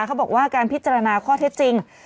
เขาบอกว่าการพิจารณาข้อเท็จจริง